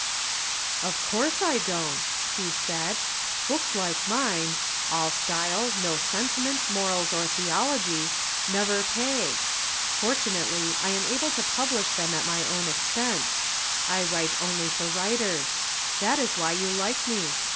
"Of course I don't!" he said. "Books like mine all style, no sentiment, morals or theology never pay. Fortunately I am able to publish them at my own expense. I write only for writers. That is why you like me.